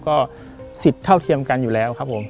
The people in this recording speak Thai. ก็สิทธิ์เท่าเทียมกันอยู่แล้วครับผม